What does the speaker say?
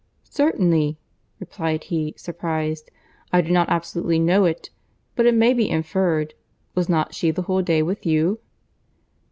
"Certainly," replied he, surprized, "I do not absolutely know it; but it may be inferred. Was not she the whole day with you?"